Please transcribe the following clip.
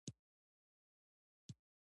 دځنګل حاصلات د افغانستان د انرژۍ سکتور برخه ده.